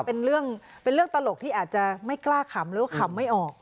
เป็นเรื่องตลกที่อาจจะไม่กล้าขำแล้วขำไม่ออก